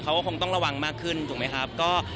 เขาก็คงต้องระวังมากขึ้นถูกไหมครับ